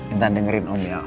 intan dengerin om ya